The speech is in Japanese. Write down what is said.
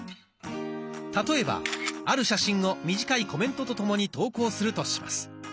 例えばある写真を短いコメントとともに投稿するとします。